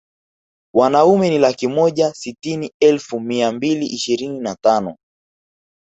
Wanaume ni laki moja sitini elfu mia mbili ishirini na tano